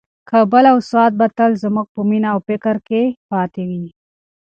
کابل او سوات به تل زموږ په مینه او فکر کې پاتې وي.